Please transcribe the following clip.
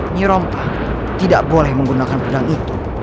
nyurompah tidak boleh menggunakan pedang itu